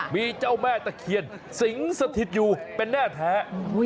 มีเจ้าแม่ตะเคียนสิงสถิตอยู่เป็นแน่แท้